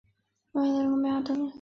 圣若塞代邦克人口变化图示